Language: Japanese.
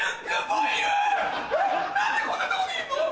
何でこんな所にいんの？